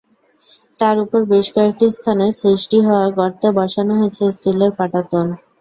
তার ওপর বেশ কয়েকটি স্থানে সৃষ্টি হওয়া গর্তে বসানো হয়েছে স্টিলের পাটাতন।